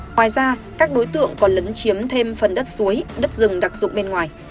ngoài ra các đối tượng còn lấn chiếm thêm phần đất suối đất rừng đặc dụng bên ngoài